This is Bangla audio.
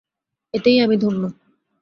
এতেই আমি ধন্য।